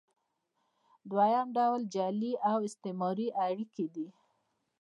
دویم ډول جعلي او استثماري اړیکې دي.